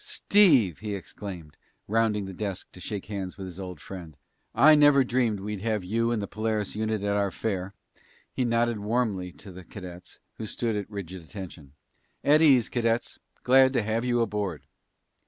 "Steve!" he exclaimed, rounding the desk to shake hands with his old friend. "I never dreamed we'd have you and the Polaris unit at our fair!" He nodded warmly to the cadets who stood at rigid attention. "At ease, cadets. Glad to have you aboard."